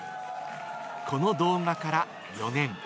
この動画から４年。